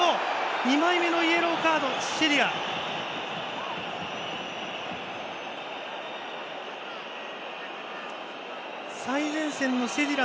２枚目のイエローカードシェディラ。